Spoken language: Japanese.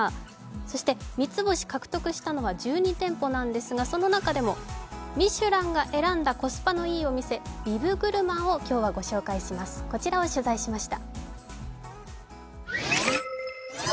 そして三つ星獲得したのは１２店舗なんですが、その名でもミシュランが選んだコスパのいいお店、ビブグルマンを今日はご紹介します、こちらを取材しました。